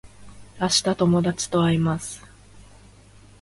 明日友達と会います